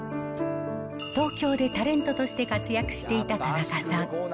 東京でタレントとして活躍していた田中さん。